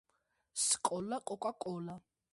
სკოლა